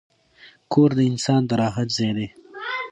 کور د انسان د راحت ځای دی.